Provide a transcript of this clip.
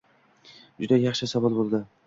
Juda yaxshi savol boʻldi.